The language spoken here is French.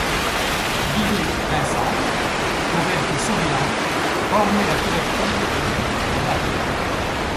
Lilli Vincenz, ouverte et souriante, ornait la couverture de The Ladder.